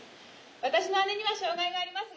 私の姉には障害がありますが。